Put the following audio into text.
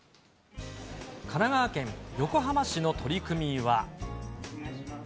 神奈川県横浜市の取り組みは。